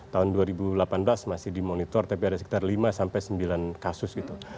tahun dua ribu delapan belas masih dimonitor tapi ada sekitar lima sampai sembilan kasus gitu